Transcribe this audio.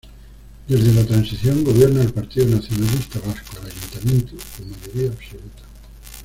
Desde la transición gobierna el Partido Nacionalista Vasco el Ayuntamiento, con mayoría absoluta.